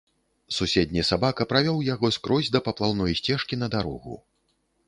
Суседні сабака правёў яго скрозь да паплаўной сцежкі на дарогу.